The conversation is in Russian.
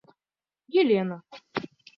Елена